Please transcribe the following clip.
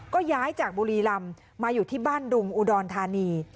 ก็ย้ายจากบุรีรำมาอยู่ที่บ้านดุงอุดรธานี